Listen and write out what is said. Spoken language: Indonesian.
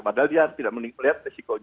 padahal dia tidak melihat resikonya